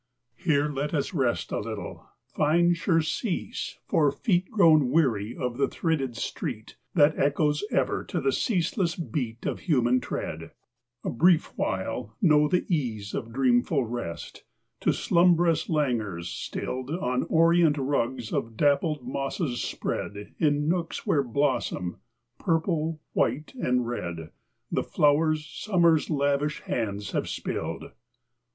Here let us rest a little find surcease For feet grown weary of the thridded street That echoes ever to the ceaseless beat Of human tread; a brief while know the ease Of dreamful rest, to slumb'rous languors stilled On Orient rugs of dappled mosses spread In nooks where blossom, purple, white and red, The flowers Summer's lavish hands have spilled.